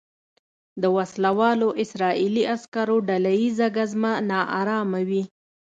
د وسلوالو اسرائیلي عسکرو ډله ییزه ګزمه نا ارامه کوي.